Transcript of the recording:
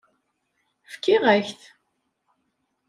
Fkiɣ-ak-t.